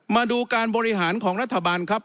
มาดูการบริหารของรัฐบาลครับ